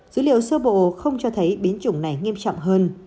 dữ liệu sơ bộ không cho thấy biến chủng này nghiêm trọng hơn